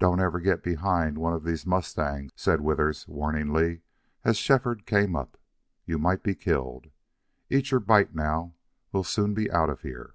"Don't ever get behind one of these mustangs," said Withers, warningly, as Shefford came up. "You might be killed.... Eat your bite now. We'll soon be out of here."